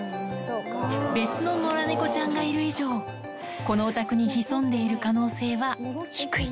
別の野良猫ちゃんがいる以上、このお宅に潜んでいる可能性は低い。